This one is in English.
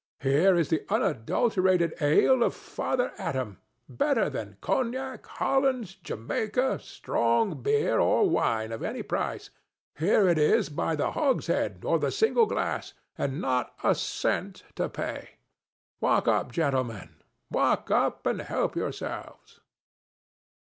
Here is the unadulterated ale of Father Adam—better than Cognac, Hollands, Jamaica, strong beer or wine of any price; here it is by the hogshead or the single glass, and not a cent to pay! Walk up, gentlemen, walk up, and help yourselves!